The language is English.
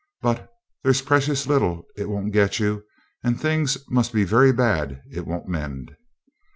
But there's precious little it won't get you, and things must be very bad it won't mend.